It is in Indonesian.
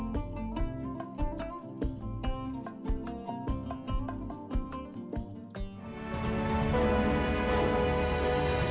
menjadi pencahaya dalam hidup